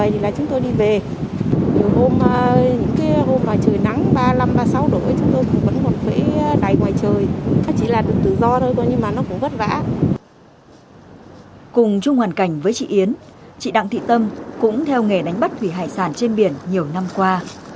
cùng chung hoàn cảnh với chị yến chị đặng thị tâm cũng theo nghề đánh bắt thủy hải sản trên biển nhiều năm qua